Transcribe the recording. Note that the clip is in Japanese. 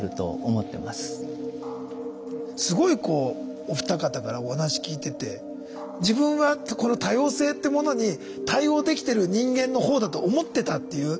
すごいこうお二方からお話聞いてて自分はこの多様性ってものに対応できてる人間のほうだと思ってたっていう大きな勘違い。